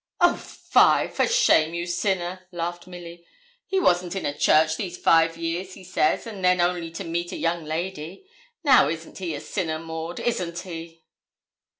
'O fie! For shame, you sinner!' laughed Milly. 'He wasn't in a church these five years, he says, and then only to meet a young lady. Now, isn't he a sinner, Maud isn't he?'